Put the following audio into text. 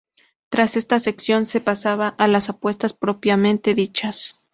Tras esta sección, se pasaba a las apuestas propiamente dichas.